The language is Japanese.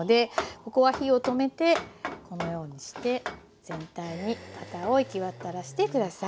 ここは火を止めてこのようにして全体にバターを行き渡らして下さい。